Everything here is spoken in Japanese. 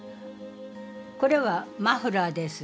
これはマフラーです。